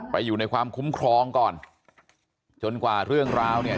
อยู่ในความคุ้มครองก่อนจนกว่าเรื่องราวเนี่ย